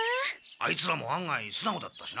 アイツらも案外素直だったしな。